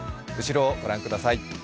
後ろ、御覧ください。